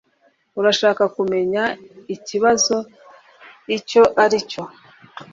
Urashaka kumenya ikibazo icyo aricyo